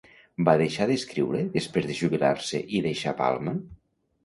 Va deixar d'escriure després de jubilar-se i deixar Palma?